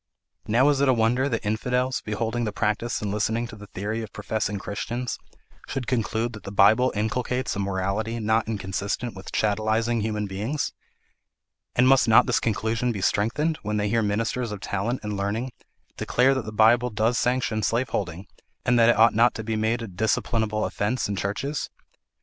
"Now is it a wonder that infidels, beholding the practice and listening to the theory of professing Christians, should conclude that the Bible inculcates a morality not inconsistent with chattelising human beings? And must not this conclusion be strengthened, when they hear ministers of talent and learning declare that the Bible does sanction slaveholding, and that it ought not to be made a disciplinable offence in churches?